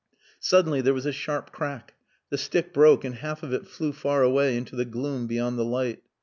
Suddenly there was a sharp crack. The stick broke and half of it flew far away into the gloom beyond the light.